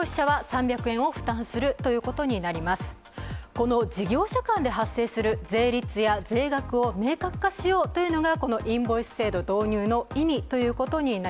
この事業者間で発生する税率や税額を明確化しようというのがこのインボイス制度導入の意図です。